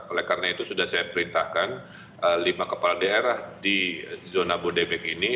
oleh karena itu sudah saya perintahkan lima kepala daerah di zona bodebek ini